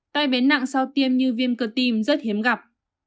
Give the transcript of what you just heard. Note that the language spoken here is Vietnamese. tại bến nặng sau tiêm như viêm cơ tiêm rất hiếm gặp